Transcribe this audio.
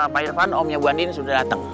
pak irvan omnya bu adin sudah datang